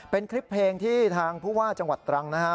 เป็นคลิปเพลงที่ทางผู้ว่าจังหวัดตรังนะฮะ